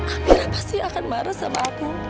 akhirnya pasti akan marah sama aku